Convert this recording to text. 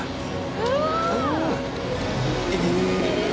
うわ！